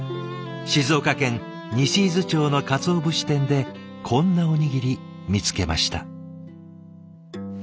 静岡県西伊豆町の鰹節店でこんなおにぎり見つけました。